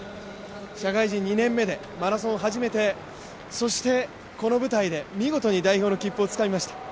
社会人２年目でマラソンを始めて、そしてこの舞台で見事に代表の切符をつかみました。